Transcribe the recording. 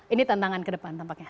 ini tantangan ke depan tampaknya